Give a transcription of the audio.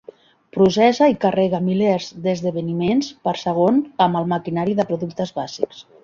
Processa i carrega milers d'esdeveniments per segon amb el maquinari de productes bàsics.